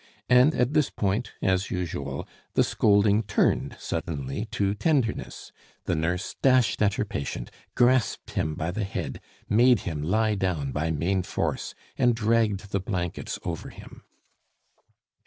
And at this point, as usual, the scolding turned suddenly to tenderness. The nurse dashed at her patient, grasped him by the head, made him lie down by main force, and dragged the blankets over him.